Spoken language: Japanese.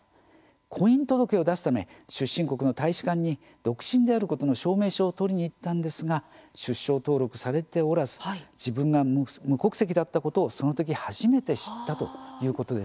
婚姻届を出すため出身国の大使館に独身であることの証明書を取りに行ったんですが出生登録されておらず自分が無国籍だったことをその時、初めて知ったということです。